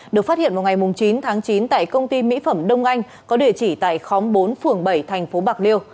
được phát hiện vào ngày chín tháng chín tại công ty mỹ phẩm đông anh có địa chỉ tại khóm bốn phường bảy thành phố bạc liêu